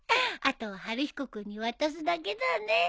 あとは晴彦君に渡すだけだね。